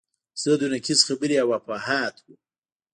ضد و نقیض خبرې او افواهات وو.